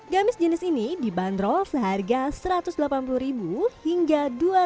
gamis jenis ini dibanderol seharga rp satu ratus delapan puluh hingga rp dua ratus